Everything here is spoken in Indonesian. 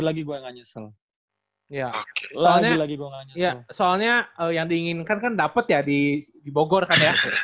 lagi gua nggak nyesel lagi lagi gua nggak nyesel soalnya yang diinginkan kan dapat ya di bogor kan ya